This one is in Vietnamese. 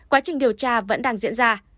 quá trình điều tra vẫn đang diễn ra